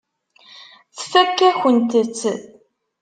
Tfakk-akent-t.